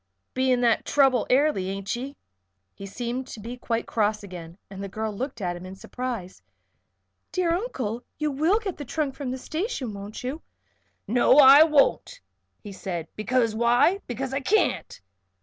Beginning that trouble airly; ain't ye?" He seemed to be quite cross again, and the girl looked at him in surprise. "Dear Uncle! You will get the trunk from the station, won't you?" "No I won't," he said. "Because why? Because I can't."